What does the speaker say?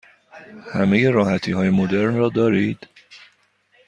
همه راحتی های مدرن را دارید؟